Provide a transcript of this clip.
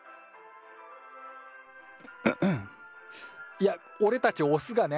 いやおれたちオスがね